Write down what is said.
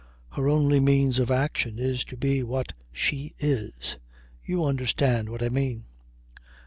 Her only means of action is to be what she is. You understand what I mean."